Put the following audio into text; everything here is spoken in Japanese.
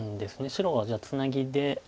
白はじゃあツナギで。